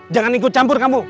jangan ikut campur kamu